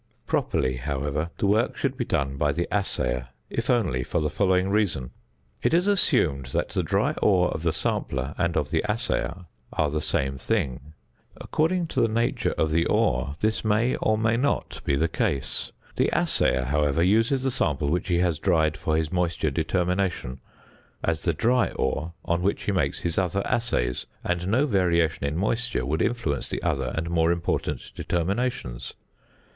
Properly, however, this work should be done by the assayer, if only for the following reason. It is assumed that the dry ore of the sampler and of the assayer are the same thing; according to the nature of the ore, this may or may not be the case. The assayer, however, uses the sample which he has dried for his moisture determination, as the dry ore on which he makes his other assays, and no variation in moisture would influence the other and more important determinations.